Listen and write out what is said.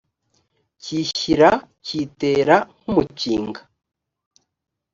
kiyishyira kiyitera nk umukinga